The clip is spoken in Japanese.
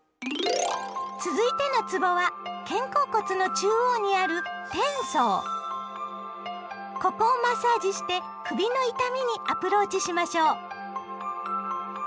続いてのつぼは肩甲骨の中央にあるここをマッサージして首の痛みにアプローチしましょう。